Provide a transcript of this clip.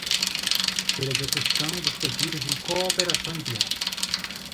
pela execução de pedidos de cooperação enviados